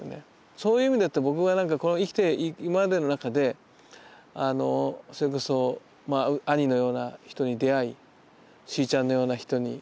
そういう意味だと僕は生きて今までの中でそれこそ兄のような人に出会いしいちゃんのような人に出会い